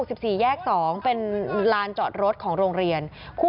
กระทั่งตำรวจก็มาด้วยนะคะ